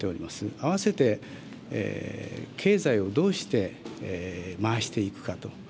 併せて、経済をどうして回していくかと。